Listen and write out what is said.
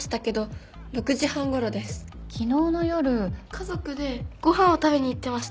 家族でご飯を食べに行ってました。